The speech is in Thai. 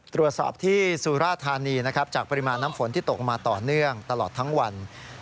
ตรวจสอบที่ศุราภรรณีจากพริมาณน้ำฝนที่ตกออกต่อเนื่องตลอดทั้งวัน